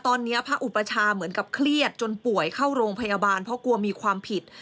ตอนนี้พระอุปชาเหมือนกับเครียดจนป่วยเข้าโรงพยาบาลเพราะกลัวมีความผิด